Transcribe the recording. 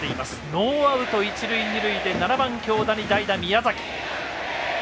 ノーアウト、一塁二塁で７番、京田に代打、宮崎。